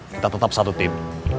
kita tetap satu tim